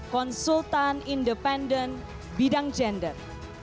konsultan independen bidang gender